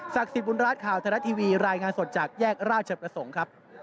ศักดิ์สิทธิ์บุญราชข่าวธนาทีวีรายงานสดจากแยกราชประสงค์ครับ